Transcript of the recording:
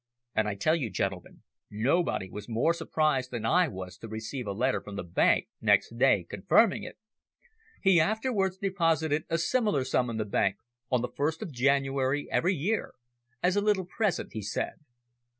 And I tell you, gentlemen, nobody was more surprised than I was to receive a letter from the bank next day, confirming it. He afterwards deposited a similar sum in the bank, on the first of January every year as a little present, he said."